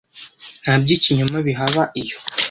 nta by’ ikinyoma bihaba iyo